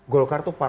golkar itu parah